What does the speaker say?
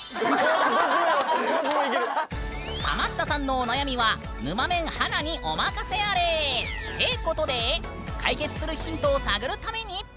ハマったさんのお悩みはぬまメン華にお任せあれ！ってことで解決するヒントを探るために。